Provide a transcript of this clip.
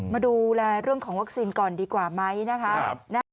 มาดูแลเรื่องของวัคซีนก่อนดีกว่าไหมนะคะ